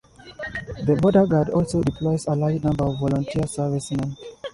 The Border Guard also deploys a large number of volunteer servicemen.